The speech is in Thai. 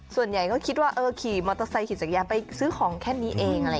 ส่วนใหญ่ก็คิดว่าขี่มอเตอร์ไซค์ขี่จักรยานไปซื้อของแค่นี้เอง